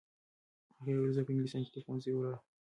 هغې وویل چې زه په انګلستان کې د طب پوهنځی لولم.